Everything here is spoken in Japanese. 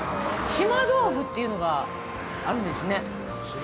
島どうふっていうのがあるんですね。